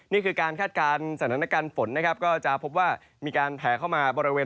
นี่คือการคาดการณ์